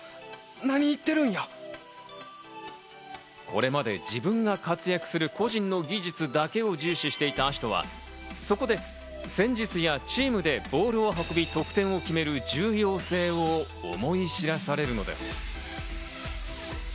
これまで自分が活躍する個人の技術だけを重視していた葦人はそこで戦術やチームでボールを運び、得点を決める重要性を思い知らされるのです。